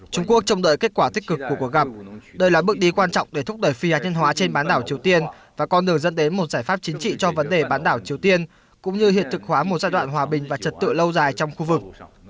trung quốc chống đợi kết quả tích cực của cuộc gặp đây là bước đi quan trọng để thúc đẩy phi hạt nhân hóa trên bán đảo triều tiên và con đường dẫn đến một giải pháp chính trị cho vấn đề bán đảo triều tiên cũng như hiện thực hóa một giai đoạn hòa bình và trật tự lâu dài trong khu vực